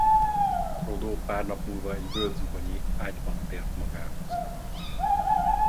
Frodó pár nap múlva egy völgyzugolyi ágyában tér magához.